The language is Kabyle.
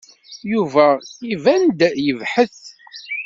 Yuba iban-d yebhet.